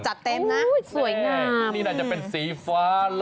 จัดเต็มนะนี่น่าจะเป็นสีฟ้าละ